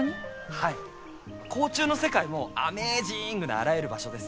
はい甲虫の世界もアメージングなあらゆる場所です。